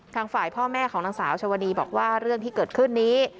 ทางฝ่ายพ่อแม่ของนางสาวชวนีบอกว่าเรื่องที่เกิดขึ้นนี้